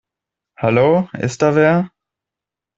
Hallo, ist da wer?